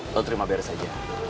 lo terima beres aja